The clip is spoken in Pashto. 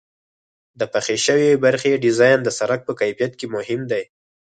د پخې شوې برخې ډیزاین د سرک په کیفیت کې مهم دی